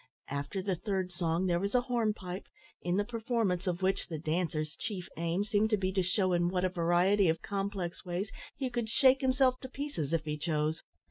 After the third song there was a hornpipe, in the performance of which the dancer's chief aim seemed to be, to shew in what a variety of complex ways he could shake himself to pieces if he chose.